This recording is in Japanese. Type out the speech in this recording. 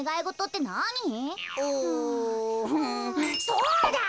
そうだ！